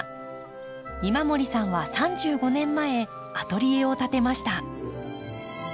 今森さんは３５年前アトリエを建てました。